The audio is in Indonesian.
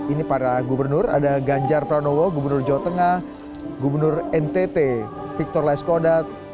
ini para gubernur ada ganjar pranowo gubernur jawa tengah gubernur ntt victor laiskodat